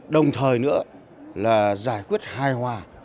đồng thời nữa là giải quyết hai hoa